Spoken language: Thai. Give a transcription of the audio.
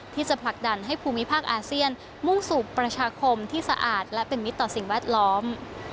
ที่จะผลักดันให้ภูมิภาคอาเซียนมุ่งสู่ประชาคมที่สะอาดและเป็นมิตรต่อสิ่งแวดล้อม